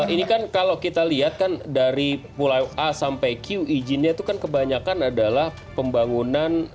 ini kan kalau kita lihat kan dari mulai a sampai q izinnya itu kan kebanyakan adalah pembangunan